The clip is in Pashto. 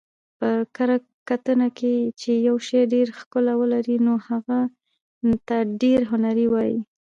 په کره کتنه کښي، چي یوشي ډېره ښکله ولري نو هغه ته ډېر هنري وايي.